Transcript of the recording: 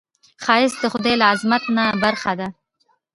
ښایست د خدای له عظمت نه برخه ده